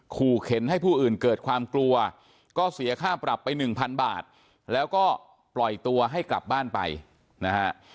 ขู่เข็นให้ผู้อื่นเกิดความกลัวก็เสียค่าปรับไปหนึ่งพันบาทแล้วก็ปล่อยตัวให้กลับบ้านไปนะฮะ